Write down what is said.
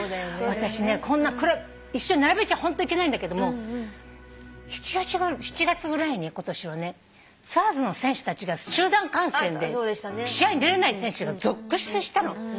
私ね一緒に並べちゃホントいけないんだけども今年の７月ぐらいにスワローズの選手たちが集団感染で試合に出れない選手が続出したの。